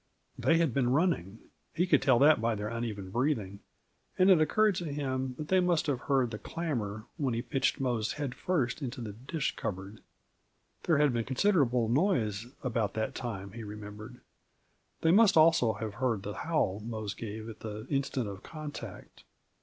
They had been running; he could tell that by their uneven breathing, and it occurred to him that they must have heard the clamor when he pitched Mose head first into the dish cupboard. There had been considerable noise about that time, he remembered; they must also have heard the howl Mose gave at the instant of contact.